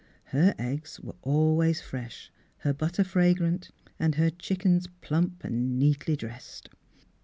Her eggs were always fresh, her butter fragrant and her chick ens plump and neatly dressed.